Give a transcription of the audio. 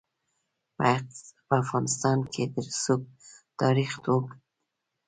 په افغانستان کې د رسوب تاریخ اوږد دی.